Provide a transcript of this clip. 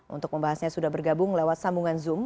untuk membahasnya sudah bergabung lewat sambungan zoom